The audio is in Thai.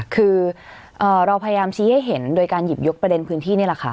คือเราพยายามชี้ให้เห็นโดยการหยิบยกประเด็นพื้นที่นี่แหละค่ะ